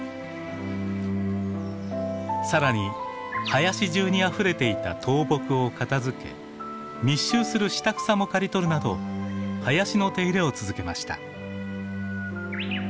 更に林中にあふれていた倒木を片づけ密集する下草も刈り取るなど林の手入れを続けました。